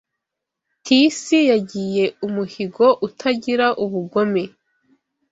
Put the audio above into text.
Tisi yagiye umuhigo utagira ubugome